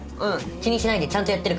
気にしないでちゃんとやってるから。